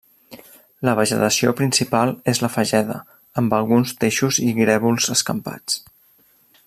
La vegetació principal és la fageda, amb alguns teixos i grèvols escampats.